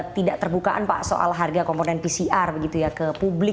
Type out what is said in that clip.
tidak terbukaan pak soal harga komponen pcr begitu ya ke publik